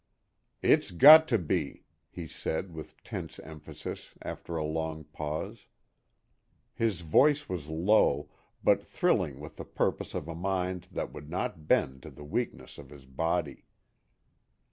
"It's got to be," he said, with tense emphasis, after a long pause. His voice was low, but thrilling with the purpose of a mind that would not bend to the weakness of his body.